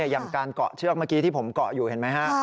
อย่างการเกาะเชือกเมื่อกี้ที่ผมเกาะอยู่เห็นไหมฮะ